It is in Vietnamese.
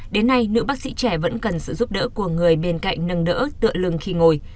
đến nay nữ bác sĩ trẻ vẫn cần sự giúp đỡ của người bên cạnh nâng đỡ tựa lưng khi ngồi